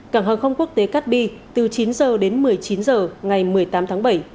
cảng hàng không quốc tế cát bi từ chín h đến một mươi chín h ngày một mươi tám tháng bảy